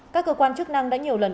các cơ quan chức năng đã nhiều lần